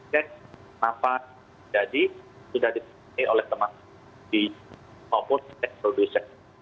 dan apa jadi sudah disediakan oleh teman di ops